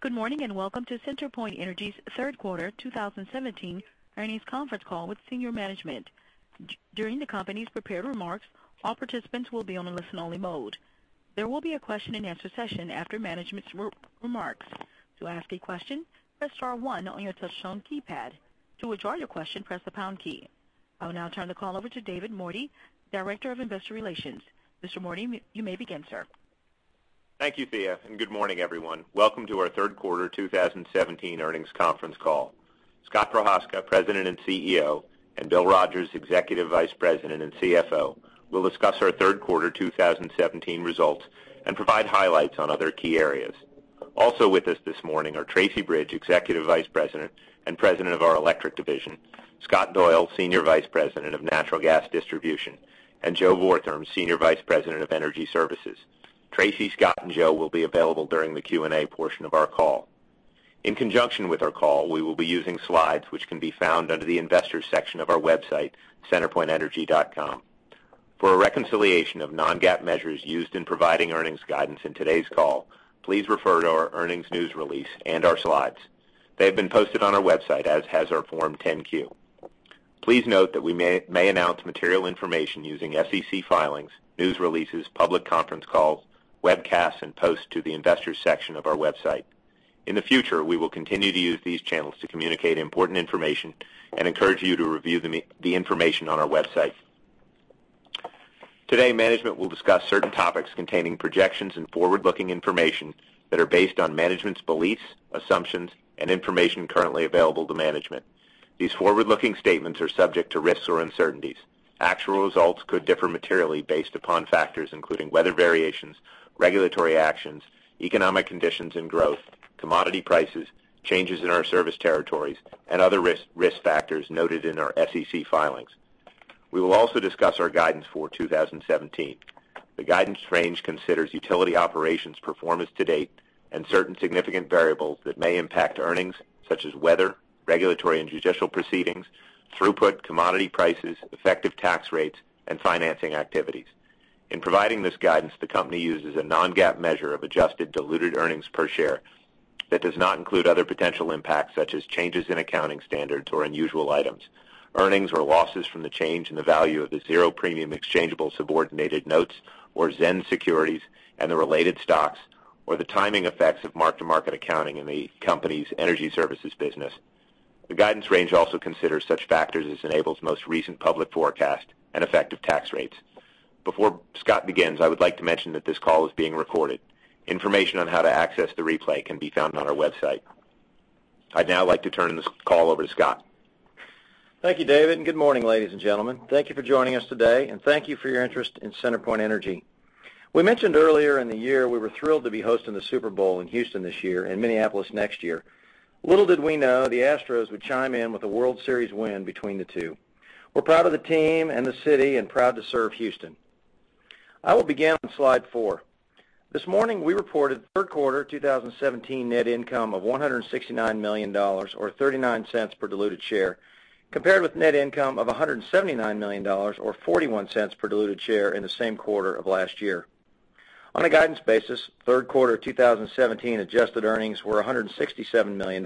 Good morning, welcome to CenterPoint Energy's third quarter 2017 earnings conference call with senior management. During the company's prepared remarks, all participants will be on a listen-only mode. There will be a question and answer session after management's remarks. To ask a question, press star one on your touchtone keypad. To withdraw your question, press the pound key. I will now turn the call over to David Mordy, Director of Investor Relations. Mr. Mordy, you may begin, sir. Thank you, Thea, good morning, everyone. Welcome to our third quarter 2017 earnings conference call. Scott Prochazka, President and CEO, and Bill Rogers, Executive Vice President and CFO, will discuss our third quarter 2017 results and provide highlights on other key areas. Also with us this morning are Tracy Bridge, Executive Vice President and President of our electric division, Scott Doyle, Senior Vice President of natural gas distribution, and Joe Vortherms, Senior Vice President of energy services. Tracy, Scott, and Joe will be available during the Q&A portion of our call. In conjunction with our call, we will be using slides which can be found under the investors section of our website, centerpointenergy.com. For a reconciliation of non-GAAP measures used in providing earnings guidance in today's call, please refer to our earnings news release and our slides. They've been posted on our website, as has our Form 10-Q. Please note that we may announce material information using SEC filings, news releases, public conference calls, webcasts, and posts to the investors section of our website. In the future, we will continue to use these channels to communicate important information and encourage you to review the information on our website. Today, management will discuss certain topics containing projections and forward-looking information that are based on management's beliefs, assumptions, and information currently available to management. These forward-looking statements are subject to risks or uncertainties. Actual results could differ materially based upon factors including weather variations, regulatory actions, economic conditions and growth, commodity prices, changes in our service territories, and other risk factors noted in our SEC filings. We will also discuss our guidance for 2017. The guidance range considers utility operations performance to date and certain significant variables that may impact earnings, such as weather, regulatory and judicial proceedings, throughput, commodity prices, effective tax rates, and financing activities. In providing this guidance, the company uses a non-GAAP measure of adjusted diluted earnings per share that does not include other potential impacts such as changes in accounting standards or unusual items, earnings or losses from the change in the value of the zero-premium exchangeable subordinated notes or ZENS securities and the related stocks, or the timing effects of mark-to-market accounting in the company's energy services business. The guidance range also considers such factors as Enable's most recent public forecast and effective tax rates. Before Scott begins, I would like to mention that this call is being recorded. Information on how to access the replay can be found on our website. I'd now like to turn this call over to Scott. Thank you, David, and good morning, ladies and gentlemen. Thank you for joining us today, and thank you for your interest in CenterPoint Energy. We mentioned earlier in the year we were thrilled to be hosting the Super Bowl in Houston this year and Minneapolis next year. Little did we know the Houston Astros would chime in with a World Series win between the two. We are proud of the team and the city and proud to serve Houston. I will begin on slide four. This morning, we reported third quarter 2017 net income of $169 million, or $0.39 per diluted share, compared with net income of $179 million or $0.41 per diluted share in the same quarter of last year. On a guidance basis, third quarter 2017 adjusted earnings were $167 million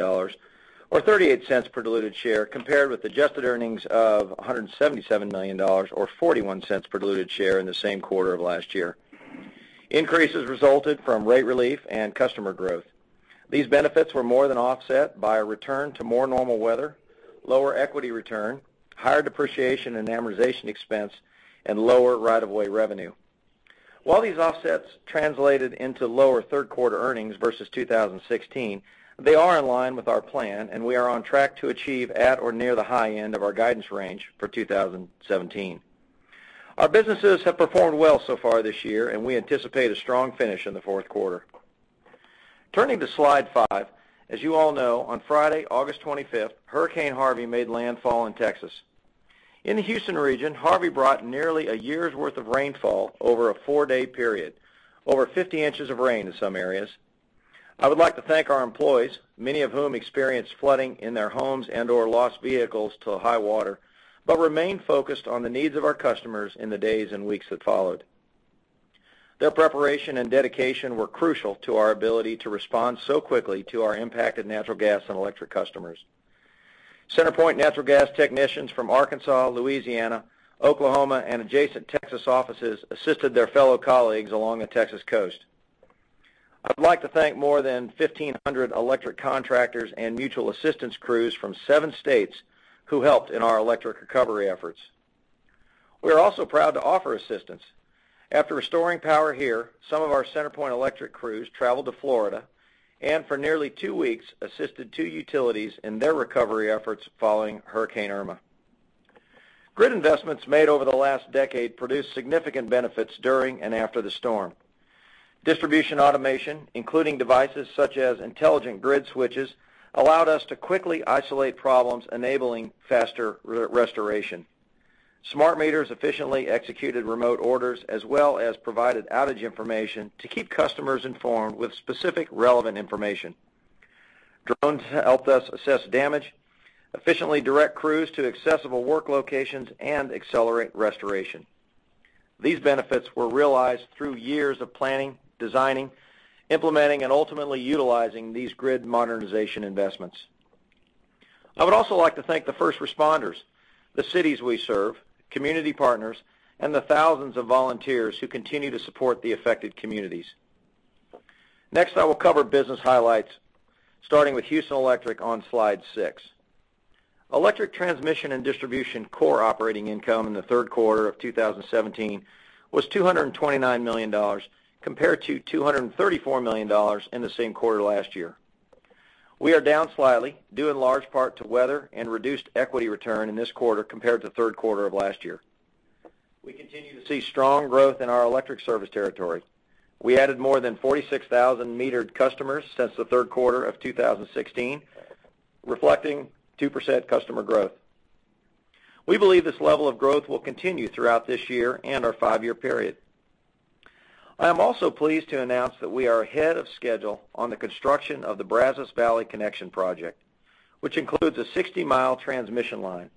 or $0.38 per diluted share, compared with adjusted earnings of $177 million or $0.41 per diluted share in the same quarter of last year. Increases resulted from rate relief and customer growth. These benefits were more than offset by a return to more normal weather, lower equity return, higher depreciation and amortization expense, and lower right-of-way revenue. While these offsets translated into lower third-quarter earnings versus 2016, they are in line with our plan, and we are on track to achieve at or near the high end of our guidance range for 2017. Our businesses have performed well so far this year, and we anticipate a strong finish in the fourth quarter. Turning to slide five. As you all know, on Friday, August 25th, Hurricane Harvey made landfall in Texas. In the Houston region, Harvey brought nearly a year's worth of rainfall over a four-day period. Over 50 inches of rain in some areas. I would like to thank our employees, many of whom experienced flooding in their homes and/or lost vehicles to high water but remained focused on the needs of our customers in the days and weeks that followed. Their preparation and dedication were crucial to our ability to respond so quickly to our impacted natural gas and electric customers. CenterPoint Natural Gas technicians from Arkansas, Louisiana, Oklahoma, and adjacent Texas offices assisted their fellow colleagues along the Texas coast. I would like to thank more than 1,500 electric contractors and mutual assistance crews from seven states who helped in our electric recovery efforts. We are also proud to offer assistance. After restoring power here, some of our CenterPoint Electric crews traveled to Florida and for nearly 2 weeks assisted 2 utilities in their recovery efforts following Hurricane Irma. Grid investments made over the last decade produced significant benefits during and after the storm. Distribution automation, including devices such as intelligent grid switches, allowed us to quickly isolate problems, enabling faster restoration. Smart meters efficiently executed remote orders as well as provided outage information to keep customers informed with specific, relevant information. Drones helped us assess damage, efficiently direct crews to accessible work locations, and accelerate restoration. These benefits were realized through years of planning, designing, implementing, and ultimately utilizing these grid modernization investments. I would also like to thank the first responders, the cities we serve, community partners, and the thousands of volunteers who continue to support the affected communities. I will cover business highlights, starting with Houston Electric on slide six. Electric transmission and distribution core operating income in the third quarter of 2017 was $229 million compared to $234 million in the same quarter last year. We are down slightly, due in large part to weather and reduced equity return in this quarter compared to third quarter of last year. We continue to see strong growth in our electric service territory. We added more than 46,000 metered customers since the third quarter of 2016, reflecting 2% customer growth. We believe this level of growth will continue throughout this year and our five-year period. I am also pleased to announce that we are ahead of schedule on the construction of the Brazos Valley Connection project, which includes a 60-mile transmission line.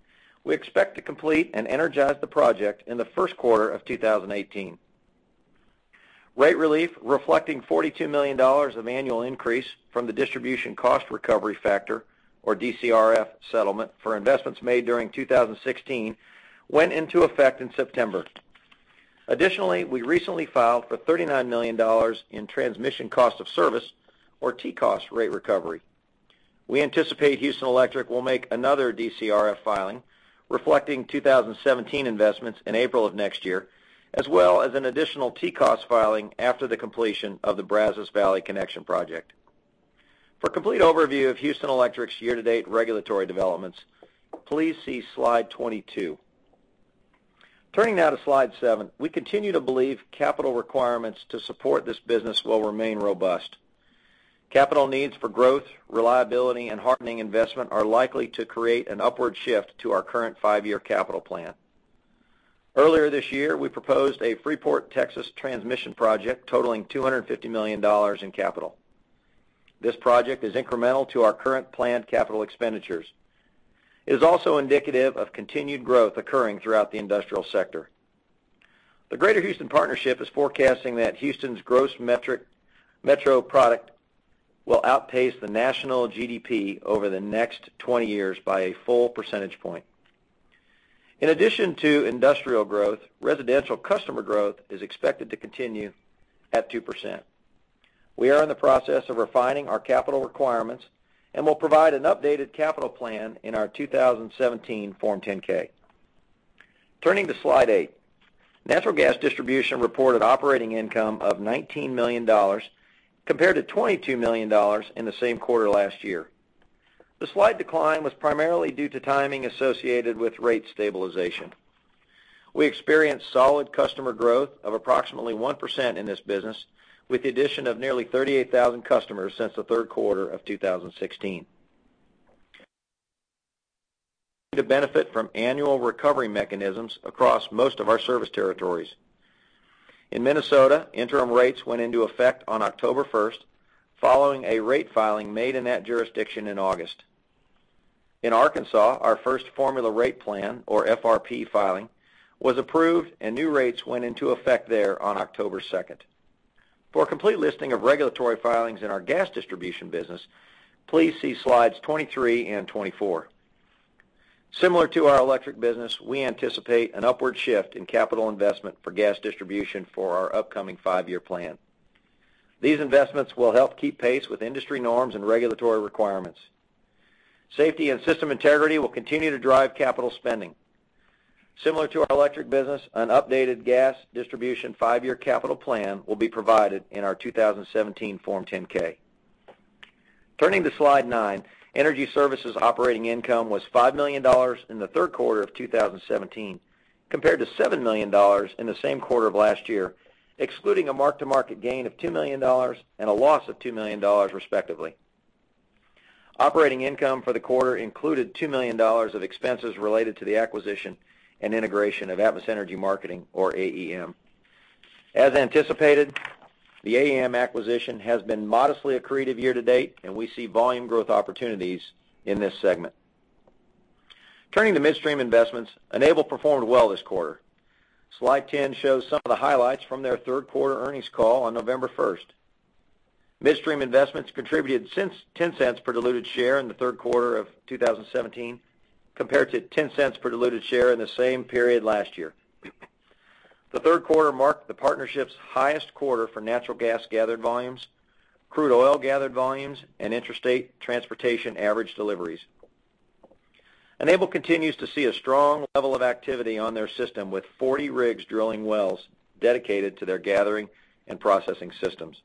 We expect to complete and energize the project in the first quarter of 2018. Rate relief reflecting $42 million of annual increase from the DCRF settlement, for investments made during 2016 went into effect in September. We recently filed for $39 million in TCOS rate recovery. We anticipate Houston Electric will make another DCRF filing reflecting 2017 investments in April of next year, as well as an additional TCOS filing after the completion of the Brazos Valley Connection project. For a complete overview of Houston Electric's year-to-date regulatory developments, please see slide 22. Turning now to slide seven. We continue to believe capital requirements to support this business will remain robust. Capital needs for growth, reliability, and hardening investment are likely to create an upward shift to our current five-year capital plan. Earlier this year, we proposed a Freeport, Texas, transmission project totaling $250 million in capital. This project is incremental to our current planned capital expenditures. It is also indicative of continued growth occurring throughout the industrial sector. The Greater Houston Partnership is forecasting that Houston's gross metro product will outpace the national GDP over the next 20 years by a full percentage point. In addition to industrial growth, residential customer growth is expected to continue at 2%. We are in the process of refining our capital requirements and will provide an updated capital plan in our 2017 Form 10-K. Turning to slide eight. Natural gas distribution reported operating income of $19 million compared to $22 million in the same quarter last year. The slight decline was primarily due to timing associated with rate stabilization. We experienced solid customer growth of approximately 1% in this business, with the addition of nearly 38,000 customers since the third quarter of 2016. To benefit from annual recovery mechanisms across most of our service territories. In Minnesota, interim rates went into effect on October 1st, following a rate filing made in that jurisdiction in August. In Arkansas, our first formula rate plan, or FRP filing, was approved and new rates went into effect there on October 2nd. For a complete listing of regulatory filings in our gas distribution business, please see slides 23 and 24. Similar to our electric business, we anticipate an upward shift in capital investment for gas distribution for our upcoming five-year plan. These investments will help keep pace with industry norms and regulatory requirements. Safety and system integrity will continue to drive capital spending. Similar to our electric business, an updated gas distribution five-year capital plan will be provided in our 2017 Form 10-K. Turning to slide nine. Energy services operating income was $5 million in the third quarter of 2017, compared to $7 million in the same quarter of last year, excluding a mark-to-market gain of $2 million and a loss of $2 million, respectively. Operating income for the quarter included $2 million of expenses related to the acquisition and integration of Atmos Energy Marketing, or AEM. As anticipated, the AEM acquisition has been modestly accretive year to date, and we see volume growth opportunities in this segment. Turning to midstream investments, Enable performed well this quarter. Slide 10 shows some of the highlights from their third quarter earnings call on November 1st. Midstream investments contributed $0.10 per diluted share in the third quarter of 2017 compared to $0.10 per diluted share in the same period last year. The third quarter marked the partnership's highest quarter for natural gas gathered volumes, crude oil gathered volumes, and interstate transportation average deliveries. Enable continues to see a strong level of activity on their system with 40 rigs drilling wells dedicated to their gathering and processing systems.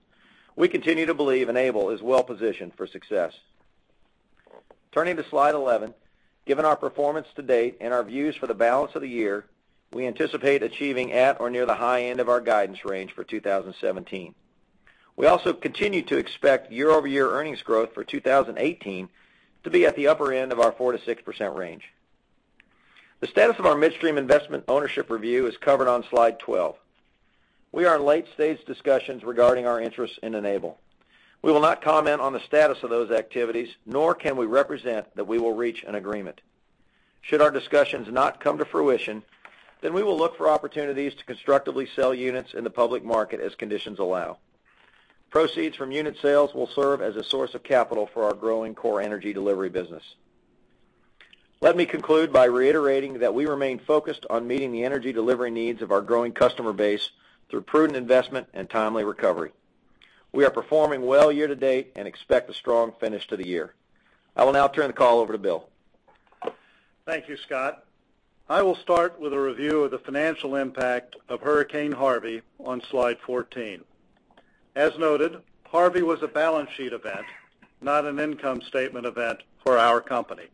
We continue to believe Enable is well-positioned for success. Turning to slide 11. Given our performance to date and our views for the balance of the year, we anticipate achieving at or near the high end of our guidance range for 2017. We also continue to expect year-over-year earnings growth for 2018 to be at the upper end of our 4%-6% range. The status of our midstream investment ownership review is covered on slide 12. We are in late-stage discussions regarding our interest in Enable. We will not comment on the status of those activities, nor can we represent that we will reach an agreement. Should our discussions not come to fruition, then we will look for opportunities to constructively sell units in the public market as conditions allow. Proceeds from unit sales will serve as a source of capital for our growing core energy delivery business. Let me conclude by reiterating that we remain focused on meeting the energy delivery needs of our growing customer base through prudent investment and timely recovery. We are performing well year-to-date and expect a strong finish to the year. I will now turn the call over to Bill. Thank you, Scott. I will start with a review of the financial impact of Hurricane Harvey on slide 14. As noted, Harvey was a balance sheet event, not an income statement event for our company.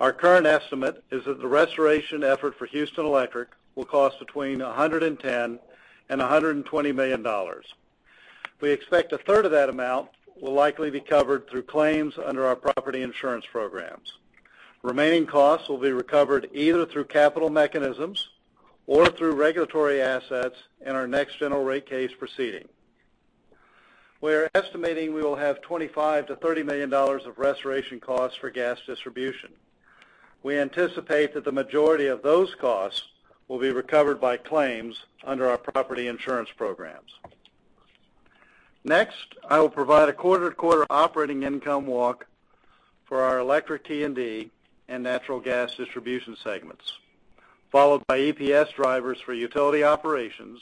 Our current estimate is that the restoration effort for Houston Electric will cost between $110 million and $120 million. We expect a third of that amount will likely be covered through claims under our property insurance programs. Remaining costs will be recovered either through capital mechanisms or through regulatory assets in our next general rate case proceeding. We are estimating we will have $25 million to $30 million of restoration costs for Gas Distribution. We anticipate that the majority of those costs will be recovered by claims under our property insurance programs. Next, I will provide a quarter-to-quarter operating income walk for our Electric T&D and Natural Gas Distribution segments, followed by EPS drivers for utility operations,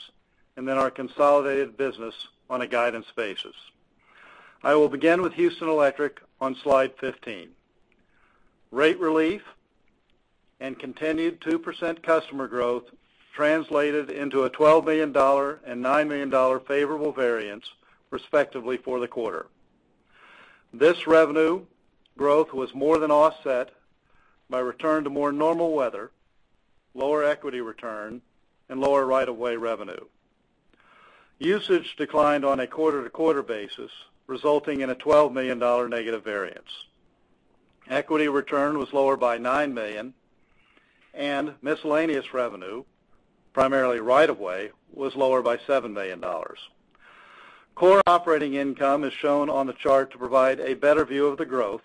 and then our consolidated business on a guidance basis. I will begin with Houston Electric on slide 15. Rate relief and continued 2% customer growth translated into a $12 million and $9 million favorable variance, respectively, for the quarter. This revenue growth was more than offset by return to more normal weather, lower equity return, and lower right-of-way revenue. Usage declined on a quarter-to-quarter basis, resulting in a $12 million negative variance. Equity return was lower by $9 million, and miscellaneous revenue, primarily right-of-way, was lower by $7 million. Core operating income is shown on the chart to provide a better view of the growth,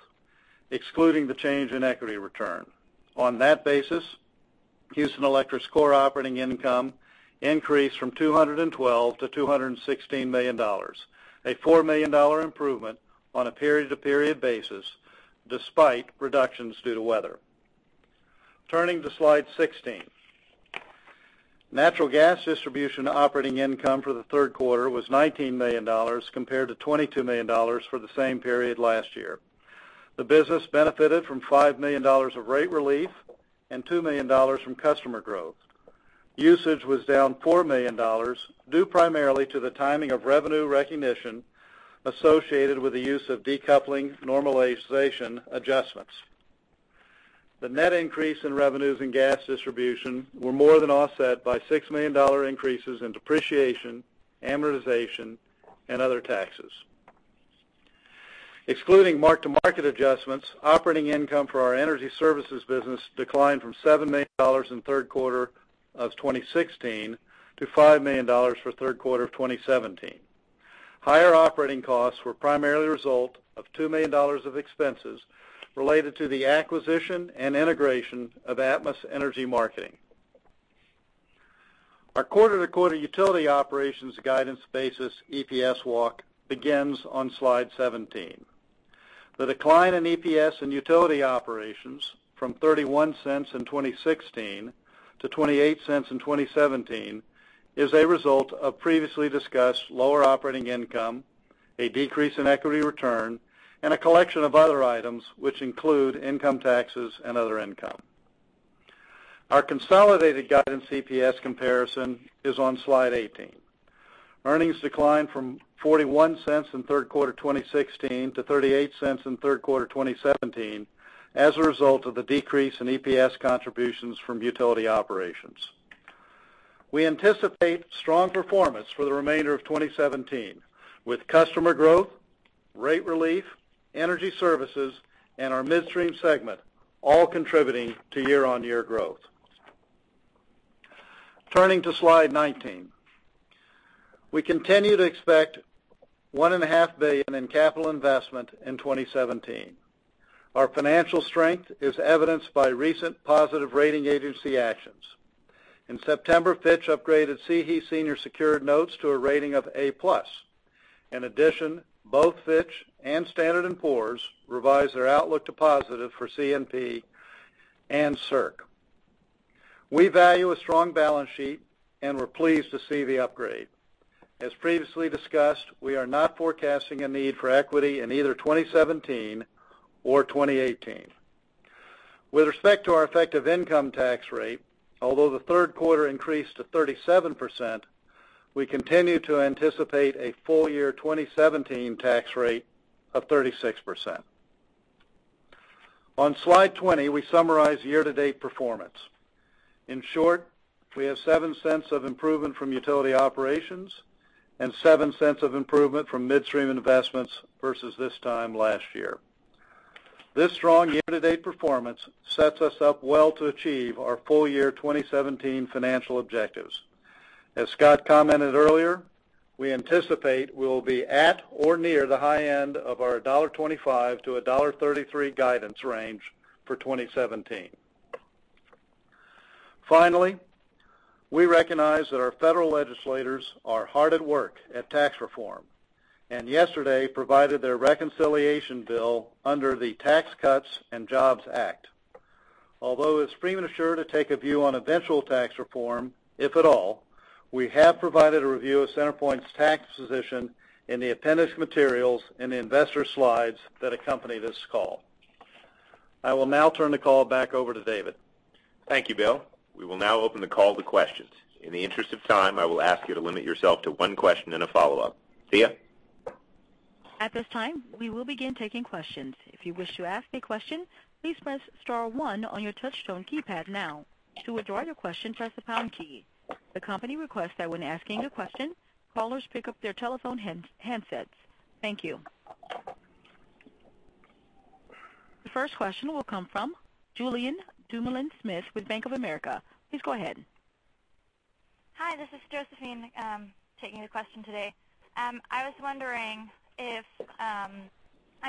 excluding the change in equity return. On that basis, Houston Electric's core operating income increased from $212 million to $216 million, a $4 million improvement on a period-to-period basis despite reductions due to weather. Turning to slide 16. Natural Gas Distribution operating income for the third quarter was $19 million, compared to $22 million for the same period last year. The business benefited from $5 million of rate relief and $2 million from customer growth. Usage was down $4 million, due primarily to the timing of revenue recognition associated with the use of decoupling normalization adjustments. The net increase in revenues in Gas Distribution were more than offset by $6 million increases in depreciation, amortization, and other taxes. Excluding mark-to-market adjustments, operating income for our Energy Services business declined from $7 million in third quarter of 2016 to $5 million for third quarter of 2017. Higher operating costs were primarily the result of $2 million of expenses related to the acquisition and integration of Atmos Energy Marketing. Our quarter-to-quarter utility operations guidance basis EPS walk begins on slide 17. The decline in EPS and utility operations from $0.31 in 2016 to $0.28 in 2017 is a result of previously discussed lower operating income, a decrease in equity return, and a collection of other items, which include income taxes and other income. Our consolidated guidance EPS comparison is on slide 18. Earnings declined from $0.41 in third quarter 2016 to $0.38 in third quarter 2017 as a result of the decrease in EPS contributions from utility operations. We anticipate strong performance for the remainder of 2017, with customer growth, rate relief, Energy Services, and our Midstream segment all contributing to year-on-year growth. Turning to slide 19. We continue to expect $1.5 billion in capital investment in 2017. Our financial strength is evidenced by recent positive rating agency actions. In September, Fitch upgraded CE Senior secured notes to a rating of A+. In addition, both Fitch and S&P Global Ratings revised their outlook to positive for CNP and CERC. We value a strong balance sheet and we're pleased to see the upgrade. As previously discussed, we are not forecasting a need for equity in either 2017 or 2018. With respect to our effective income tax rate, although the third quarter increased to 37%, we continue to anticipate a full-year 2017 tax rate of 36%. On slide 20, we summarize year-to-date performance. In short, we have $0.07 of improvement from utility operations and $0.07 of improvement from midstream investments versus this time last year. This strong year-to-date performance sets us up well to achieve our full year 2017 financial objectives. As Scott commented earlier, we anticipate we'll be at or near the high end of our $1.25-$1.33 guidance range for 2017. We recognize that our federal legislators are hard at work at tax reform, yesterday provided their reconciliation bill under the Tax Cuts and Jobs Act. Although it's premature to take a view on eventual tax reform, if at all, we have provided a review of CenterPoint's tax position in the appendix materials in the investor slides that accompany this call. I will now turn the call back over to David. Thank you, Bill. We will now open the call to questions. In the interest of time, I will ask you to limit yourself to one question and a follow-up. Thea? At this time, we will begin taking questions. If you wish to ask a question, please press star one on your touchtone keypad now. To withdraw your question, press the pound key. The company requests that when asking a question, callers pick up their telephone handsets. Thank you. The first question will come from Julien Dumoulin-Smith with Bank of America. Please go ahead. Hi, this is Josephine taking the question today. I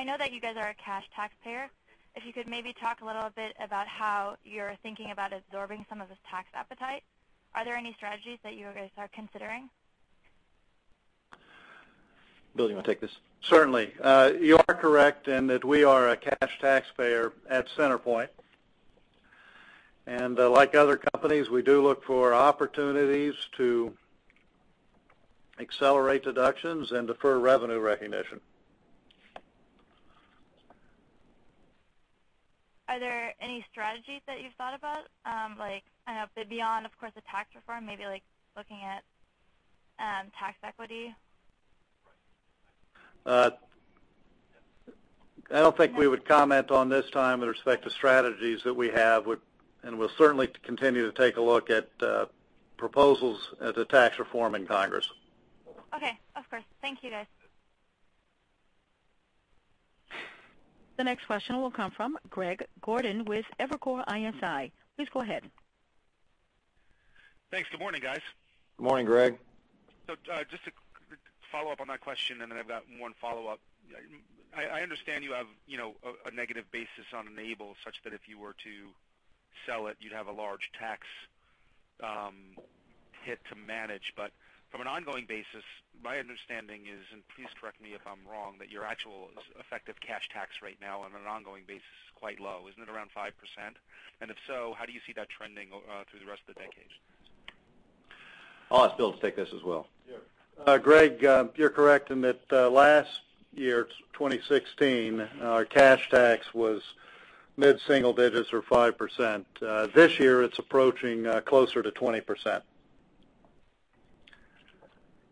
know that you guys are a cash taxpayer. If you could maybe talk a little bit about how you're thinking about absorbing some of this tax appetite. Are there any strategies that you guys are considering? Bill, do you want to take this? Certainly. You are correct in that we are a cash taxpayer at CenterPoint, and like other companies, we do look for opportunities to accelerate deductions and defer revenue recognition. Are there any strategies that you've thought about? Beyond, of course, the Tax Reform, maybe looking at tax equity? I don't think we would comment on this time with respect to strategies that we have. We'll certainly continue to take a look at proposals at the tax reform in Congress. Okay. Of course. Thank you, guys. The next question will come from Greg Gordon with Evercore ISI. Please go ahead. Thanks. Good morning, guys. Good morning, Greg. Just to follow up on that question, and then I've got one follow-up. I understand you have a negative basis on Enable such that if you were to sell it, you'd have a large tax hit to manage. From an ongoing basis, my understanding is, and please correct me if I'm wrong, that your actual effective cash tax rate now on an ongoing basis is quite low. Isn't it around 5%? If so, how do you see that trending through the rest of the decade? I'll ask Bill to take this as well. Sure. Greg, you're correct in that last year, 2016, our cash tax was mid-single digits or 5%. This year, it's approaching closer to 20%.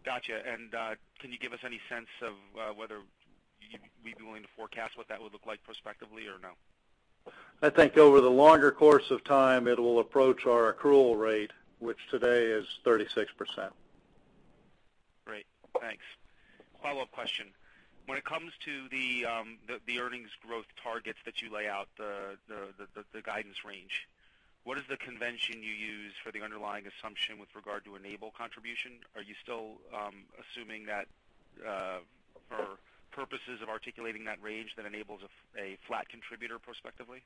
Got you. Can you give us any sense of whether you'd be willing to forecast what that would look like prospectively or no? I think over the longer course of time, it will approach our accrual rate, which today is 36%. Great. Thanks. Follow-up question. When it comes to the earnings growth targets that you lay out, the guidance range, what is the convention you use for the underlying assumption with regard to Enable contribution? Are you still assuming that for purposes of articulating that range, that Enable's a flat contributor prospectively?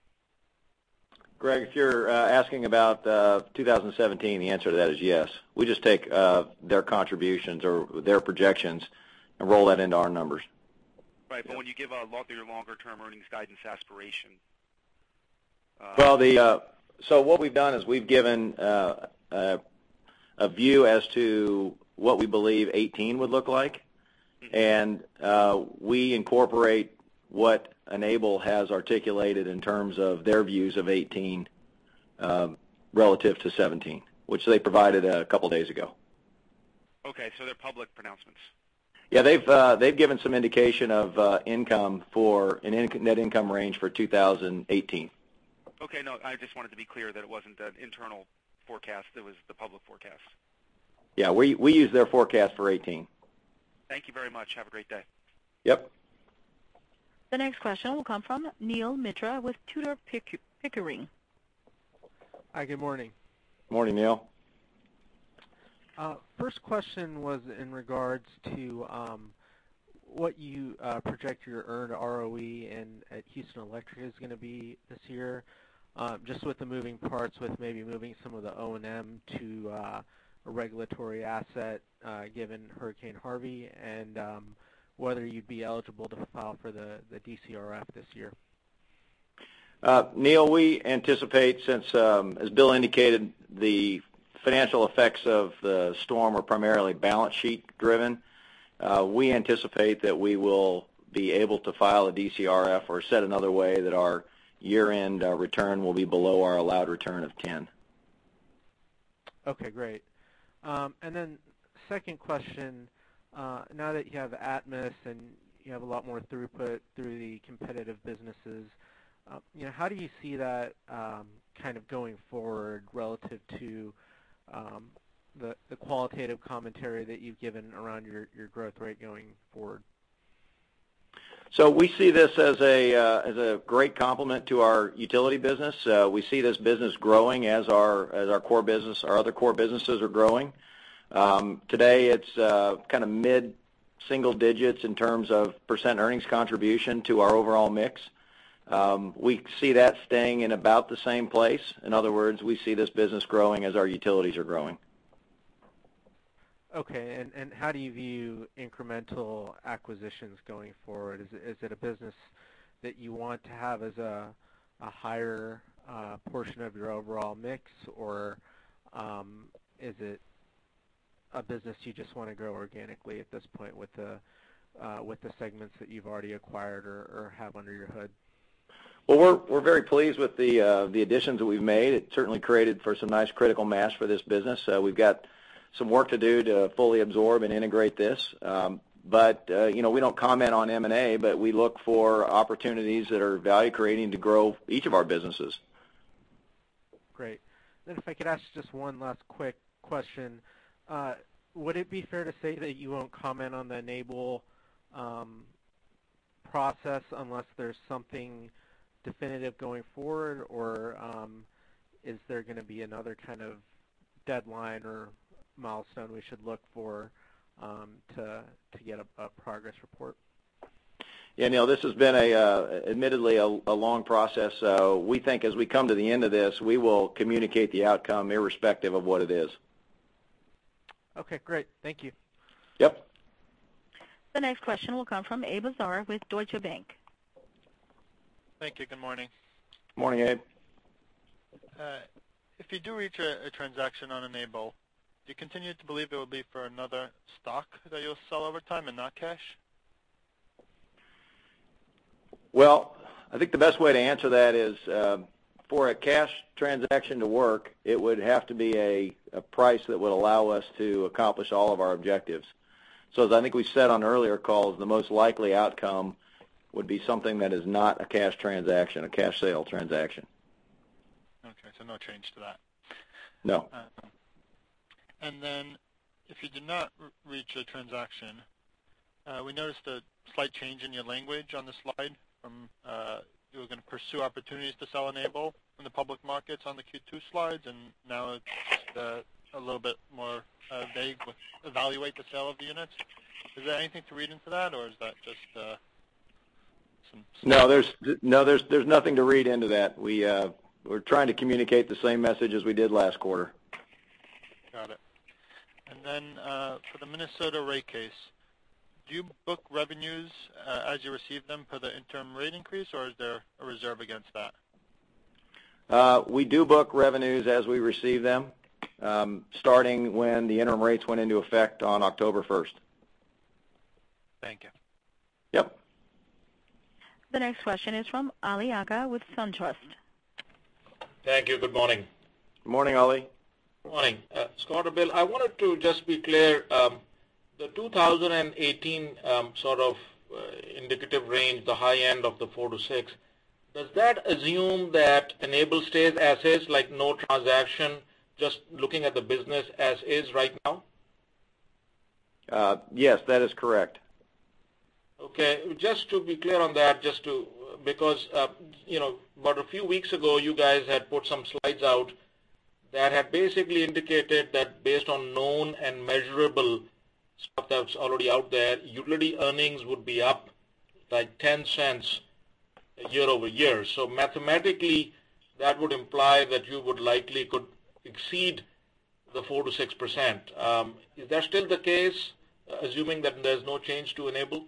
Greg, if you're asking about 2017, the answer to that is yes. We just take their contributions or their projections and roll that into our numbers. Right. When you give out your longer-term earnings guidance aspiration. What we've done is we've given a view as to what we believe 2018 would look like. We incorporate what Enable has articulated in terms of their views of 2018 relative to 2017, which they provided a couple of days ago. Okay. They're public pronouncements. Yeah. They've given some indication of net income range for 2018. Okay. No, I just wanted to be clear that it wasn't an internal forecast, it was the public forecast. Yeah. We use their forecast for '18. Thank you very much. Have a great day. Yep. The next question will come from Neel Mitra with Tudor, Pickering. Hi. Good morning. Morning, Neel. First question was in regards to what you project your earned ROE at Houston Electric is going to be this year. Just with the moving parts, with maybe moving some of the O&M to a regulatory asset given Hurricane Harvey, and whether you'd be eligible to file for the DCRF this year. Neel, as Bill indicated, the financial effects of the storm are primarily balance sheet driven. We anticipate that we will be able to file a DCRF or said another way, that our year-end return will be below our allowed return of 10. Okay, great. Second question, now that you have Atmos and you have a lot more throughput through the competitive businesses, how do you see that going forward relative to the qualitative commentary that you've given around your growth rate going forward. We see this as a great complement to our utility business. We see this business growing as our other core businesses are growing. Today, it's mid-single digits in terms of % earnings contribution to our overall mix. We see that staying in about the same place. In other words, we see this business growing as our utilities are growing. Okay. How do you view incremental acquisitions going forward? Is it a business that you want to have as a higher portion of your overall mix, or is it a business you just want to grow organically at this point with the segments that you've already acquired or have under your hood? Well, we're very pleased with the additions that we've made. It certainly created for some nice critical mass for this business. We've got some work to do to fully absorb and integrate this. We don't comment on M&A, but we look for opportunities that are value-creating to grow each of our businesses. Great. If I could ask just one last quick question. Would it be fair to say that you won't comment on the Enable process unless there's something definitive going forward, or is there going to be another kind of deadline or milestone we should look for to get a progress report? Yeah, Neel, this has been admittedly a long process. We think as we come to the end of this, we will communicate the outcome irrespective of what it is. Okay, great. Thank you. Yep. The next question will come from Abe Nazar with Deutsche Bank. Thank you. Good morning. Morning, Abe. If you do reach a transaction on Enable, do you continue to believe it will be for another stock that you'll sell over time and not cash? Well, I think the best way to answer that is for a cash transaction to work, it would have to be a price that would allow us to accomplish all of our objectives. As I think we said on earlier calls, the most likely outcome would be something that is not a cash transaction, a cash sale transaction. Okay, no change to that. No. If you did not reach a transaction, we noticed a slight change in your language on the slide from you were going to pursue opportunities to sell Enable in the public markets on the Q2 slides, and now it's a little bit more vague with evaluate the sale of the units. Is there anything to read into that? No, there's nothing to read into that. We're trying to communicate the same message as we did last quarter. Got it. For the Minnesota rate case, do you book revenues as you receive them for the interim rate increase, or is there a reserve against that? We do book revenues as we receive them starting when the interim rates went into effect on October 1st. Thank you. Yep. The next question is from Ali Agha with SunTrust. Thank you. Good morning. Morning, Ali. Morning. Scott or Bill, I wanted to just be clear, the 2018 sort of indicative range, the high end of the four to six, does that assume that Enable stays as is, like no transaction, just looking at the business as is right now? Yes, that is correct. Just to be clear on that, because about a few weeks ago, you guys had put some slides out that had basically indicated that based on known and measurable stuff that was already out there, utility earnings would be up by $0.10 year-over-year. Mathematically, that would imply that you would likely could exceed the 4%-6%. Is that still the case, assuming that there's no change to Enable?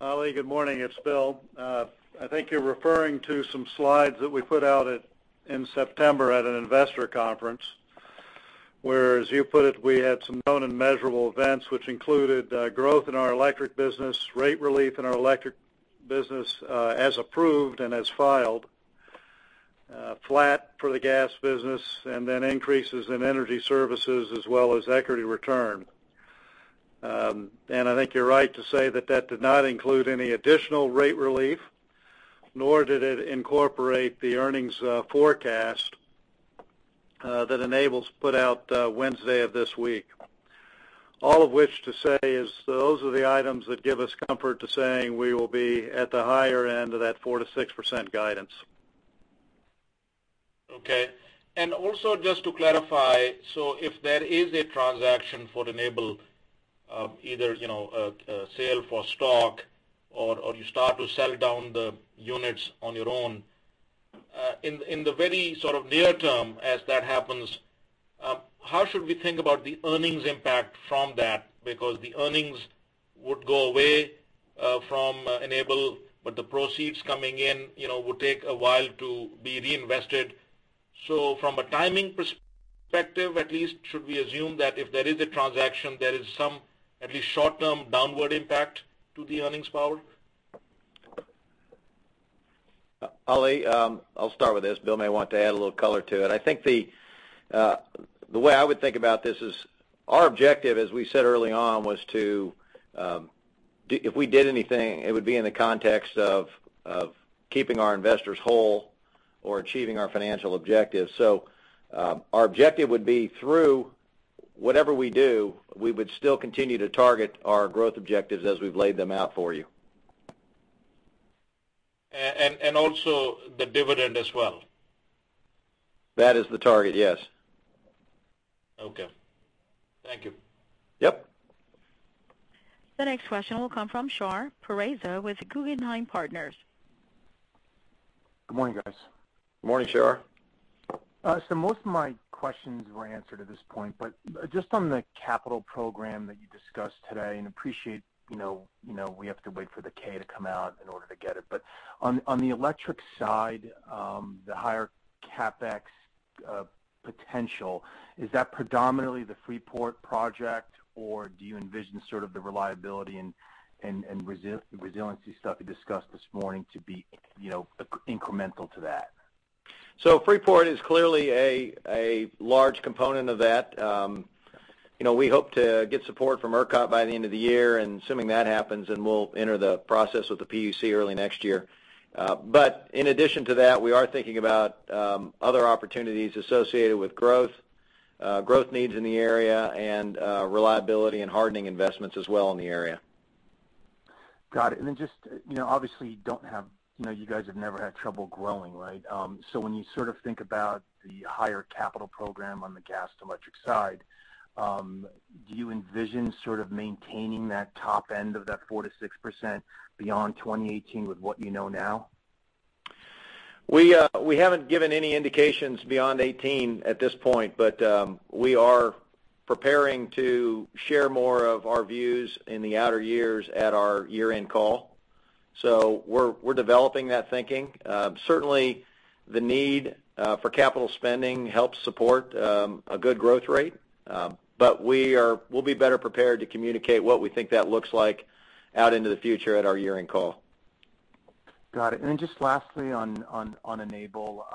Ali, good morning. It's Bill. I think you're referring to some slides that we put out in September at an investor conference, where, as you put it, we had some known and measurable events, which included growth in our electric business, rate relief in our electric business as approved and as filed. Flat for the gas business and then increases in energy services as well as equity return. I think you're right to say that that did not include any additional rate relief, nor did it incorporate the earnings forecast that Enable's put out Wednesday of this week. All of which to say is those are the items that give us comfort to saying we will be at the higher end of that 4%-6% guidance. Just to clarify, if there is a transaction for Enable, either a sale for stock or you start to sell down the units on your own, in the very near term as that happens, how should we think about the earnings impact from that? Because the earnings would go away from Enable, but the proceeds coming in would take a while to be reinvested. From a timing perspective, at least, should we assume that if there is a transaction, there is some at least short-term downward impact to the earnings power? Ali, I'll start with this. Bill may want to add a little color to it. I think the way I would think about this is our objective, as we said early on, was to If we did anything, it would be in the context of keeping our investors whole or achieving our financial objectives. Our objective would be through whatever we do, we would still continue to target our growth objectives as we've laid them out for you. Also the dividend as well. That is the target, yes. Okay. Thank you. Yep. The next question will come from Shar Pourreza with Guggenheim Partners. Good morning, guys. Morning, Shar. Most of my questions were answered at this point, just on the capital program that you discussed today, and appreciate we have to wait for the K to come out in order to get it. On the electric side, the higher CapEx potential, is that predominantly the Freeport Project or do you envision sort of the reliability and resiliency stuff you discussed this morning to be incremental to that? Freeport is clearly a large component of that. We hope to get support from ERCOT by the end of the year, and assuming that happens, we'll enter the process with the PUC early next year. In addition to that, we are thinking about other opportunities associated with growth needs in the area and reliability and hardening investments as well in the area. Got it. Just obviously you guys have never had trouble growing, right? When you sort of think about the higher capital program on the gas to electric side, do you envision sort of maintaining that top end of that 4%-6% beyond 2018 with what you know now? We haven't given any indications beyond 2018 at this point, we are preparing to share more of our views in the outer years at our year-end call. We're developing that thinking. Certainly, the need for capital spending helps support a good growth rate. We'll be better prepared to communicate what we think that looks like out into the future at our year-end call. Got it. Just lastly on Enable.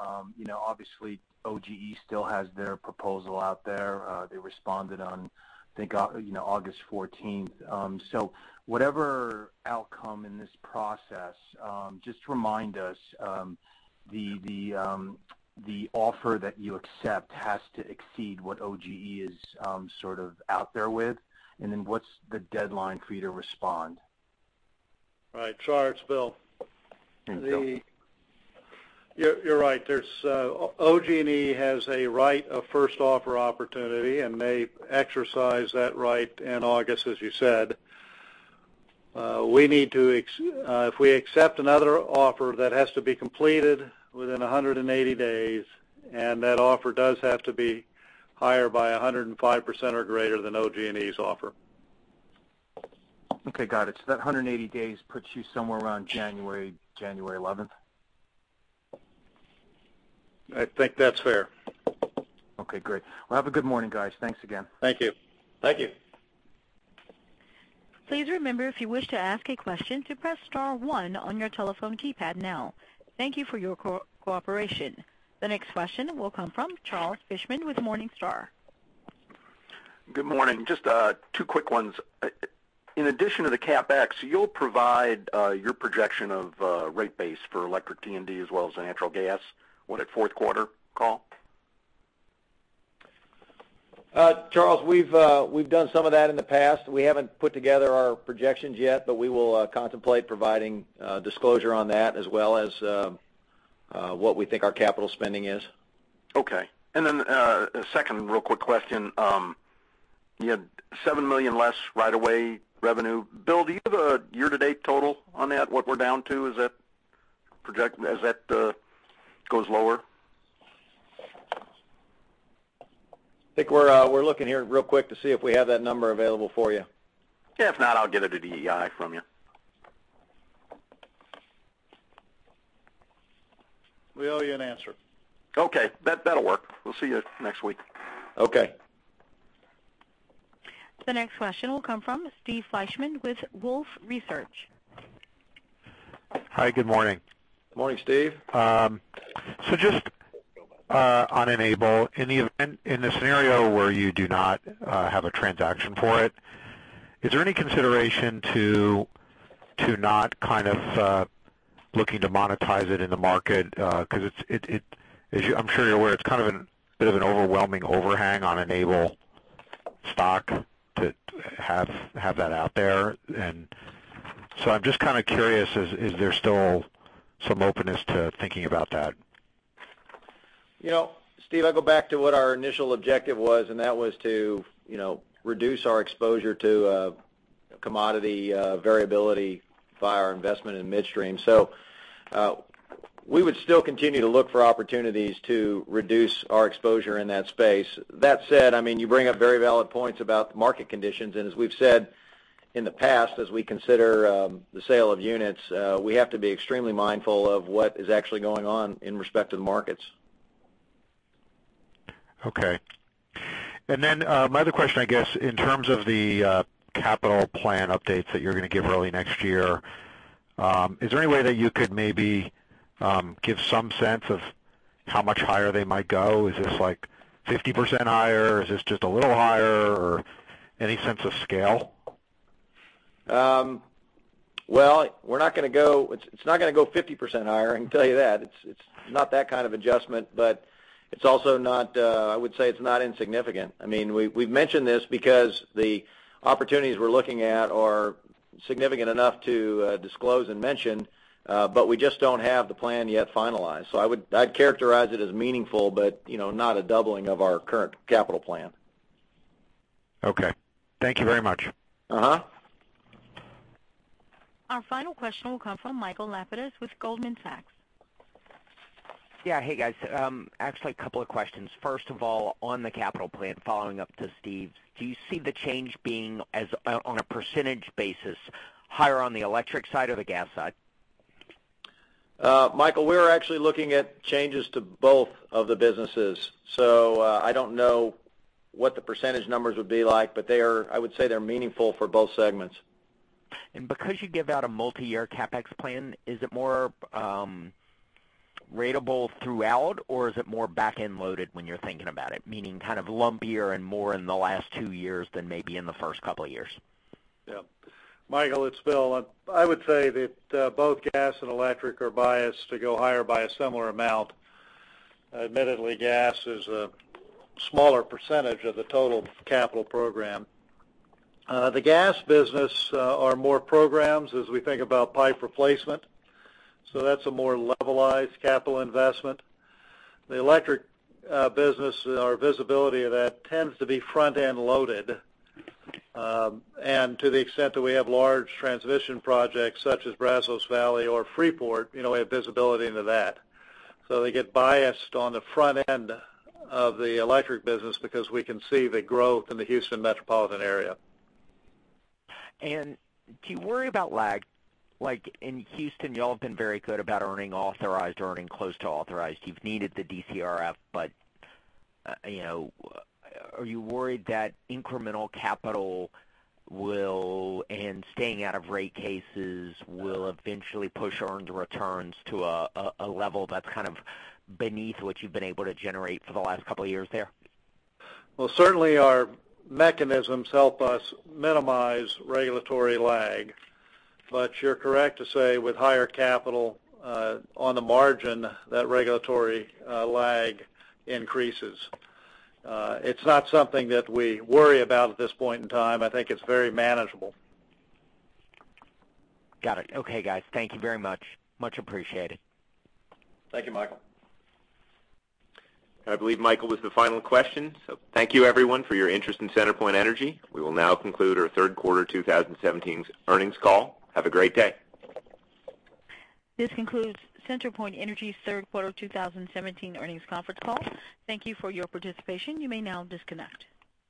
Obviously OGE still has their proposal out there. They responded on, I think, August 14th. Whatever outcome in this process, just remind us, the offer that you accept has to exceed what OGE is sort of out there with. What's the deadline for you to respond? Right. Shar, it's Bill. Hey, Bill. You're right. OG&E has a right of first offer opportunity and they exercised that right in August, as you said. If we accept another offer, that has to be completed within 180 days, and that offer does have to be higher by 105% or greater than OG&E's offer. Okay, got it. That 180 days puts you somewhere around January 11th? I think that's fair. Okay, great. Well, have a good morning, guys. Thanks again. Thank you. Thank you. Please remember, if you wish to ask a question, to press star one on your telephone keypad now. Thank you for your cooperation. The next question will come from Charles Fishman with Morningstar. Good morning. Just two quick ones. In addition to the CapEx, you'll provide your projection of rate base for electric T&D as well as natural gas on that fourth quarter call? Charles, we've done some of that in the past. We haven't put together our projections yet, we will contemplate providing disclosure on that as well as what we think our capital spending is. Okay. A second real quick question. You had $7 million less right of way revenue. Bill, do you have a year-to-date total on that, what we're down to as that goes lower? I think we're looking here real quick to see if we have that number available for you. If not, I'll get it at EEI from you. We owe you an answer. Okay. That'll work. We'll see you next week. Okay. The next question will come from Steve Fleishman with Wolfe Research. Hi. Good morning. Morning, Steve. So just on Enable, in the scenario where you do not have a transaction for it, is there any consideration to not kind of looking to monetize it in the market? Because I'm sure you're aware, it's kind of a bit of an overwhelming overhang on Enable stock to have that out there. I'm just kind of curious, is there still some openness to thinking about that? Steve, I go back to what our initial objective was, and that was to reduce our exposure to commodity variability via our investment in midstream. We would still continue to look for opportunities to reduce our exposure in that space. That said, you bring up very valid points about the market conditions. As we've said in the past, as we consider the sale of units, we have to be extremely mindful of what is actually going on in respect to the markets. Okay. My other question, I guess, in terms of the capital plan updates that you're going to give early next year, is there any way that you could maybe give some sense of how much higher they might go? Is this like 50% higher? Is this just a little higher or any sense of scale? Well, it's not going to go 50% higher, I can tell you that. It's not that kind of adjustment, but I would say it's not insignificant. We've mentioned this because the opportunities we're looking at are significant enough to disclose and mention, but we just don't have the plan yet finalized. I'd characterize it as meaningful, but not a doubling of our current capital plan. Okay. Thank you very much. Our final question will come from Michael Lapides with Goldman Sachs. Yeah. Hey, guys. Actually, a couple of questions. First of all, on the capital plan, following up to Steve's, do you see the change being, on a percentage basis, higher on the electric side or the gas side? Michael, we're actually looking at changes to both of the businesses. I don't know what the percentage numbers would be like. I would say they're meaningful for both segments. Because you give out a multi-year CapEx plan, is it more ratable throughout or is it more back-end loaded when you're thinking about it? Meaning kind of lumpier and more in the last two years than maybe in the first couple of years. Yeah. Michael, it's Bill. I would say that both gas and electric are biased to go higher by a similar amount. Admittedly, gas is a smaller percentage of the total capital program. The gas business are more programs as we think about pipe replacement, so that's a more levelized capital investment. The electric business, our visibility of that tends to be front-end loaded. To the extent that we have large transmission projects such as Brazos Valley Connection or Freeport, we have visibility into that. So they get biased on the front end of the electric business because we can see the growth in the Houston metropolitan area. Do you worry about lag? Like in Houston, you all have been very good about earning authorized or earning close to authorized. You've needed the DCRF, are you worried that incremental capital and staying out of rate cases will eventually push earned returns to a level that's kind of beneath what you've been able to generate for the last couple of years there? Well, certainly our mechanisms help us minimize regulatory lag. You're correct to say with higher capital on the margin, that regulatory lag increases. It's not something that we worry about at this point in time. I think it's very manageable. Got it. Okay, guys. Thank you very much. Much appreciated. Thank you, Michael. I believe Michael was the final question. Thank you everyone for your interest in CenterPoint Energy. We will now conclude our third quarter 2017 earnings call. Have a great day. This concludes CenterPoint Energy's third quarter 2017 earnings conference call. Thank you for your participation. You may now disconnect.